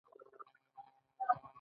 دا د فعالیتونو د ټاکلو پروسه ده.